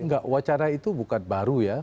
nggak wacara itu bukan baru ya